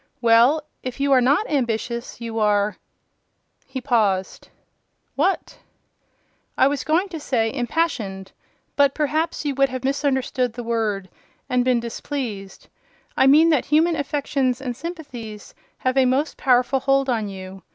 "Well, if you are not ambitious, you are—" He paused. "What?" "I was going to say, impassioned: but perhaps you would have misunderstood the word, and been displeased. I mean, that human affections and sympathies have a most powerful hold on you.